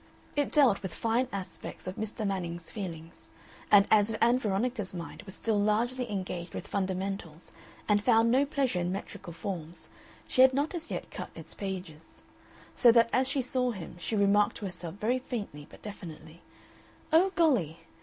It dealt with fine aspects of Mr. Manning's feelings, and as Ann Veronica's mind was still largely engaged with fundamentals and found no pleasure in metrical forms, she had not as yet cut its pages. So that as she saw him she remarked to herself very faintly but definitely, "Oh, golly!"